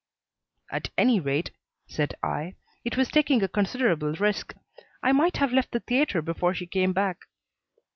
"At any rate," said I, "it was taking a considerable risk. I might have left the theatre before she came back."